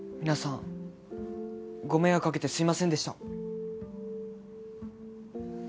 皆さんご迷惑かけてすいませんでした。